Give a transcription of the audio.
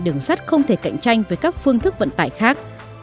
đường sắt không thể cạnh tranh với các phương thức vận tải khác